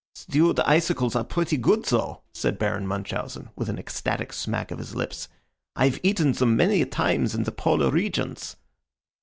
"Stewed icicles are pretty good, though," said Baron Munchausen, with an ecstatic smack of his lips. "I've eaten them many a time in the polar regions."